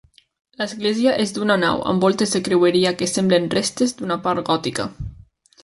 L'església és d'una nau, amb voltes de creueria que semblen restes d'una part gòtica.